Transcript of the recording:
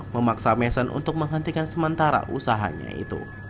memaksa mession untuk menghentikan sementara usahanya itu